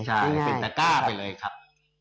ใช่เป็นตะก้าไปเลยครับ